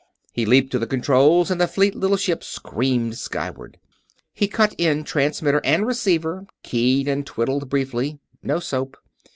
He leaped to the controls and the fleet little ship screamed skyward. He cut in transmitter and receiver, keyed and twiddled briefly. No soap.